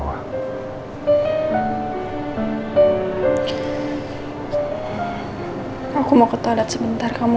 walaupun mama gak ada buat kamu